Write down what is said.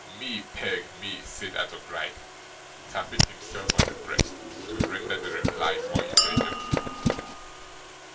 'Me, Peg, me,' said Arthur Gride, tapping himself on the breast to render the reply more intelligible.